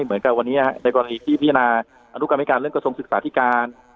เหมือนกับวันนี้ในกรณีที่พิจารณาอนุกรรมธิการเรื่องกระทรวงศึกษาธิการ